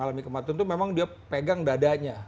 kalau dia mengalami kematian itu memang dia pegang dadanya